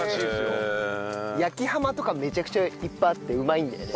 焼きはまとかめちゃくちゃいっぱいあってうまいんだよね。